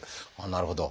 なるほど。